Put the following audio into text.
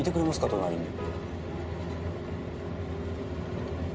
隣に。